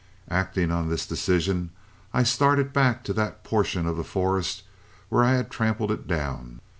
Acting on this decision, I started back to that portion of the forest where I had trampled it down.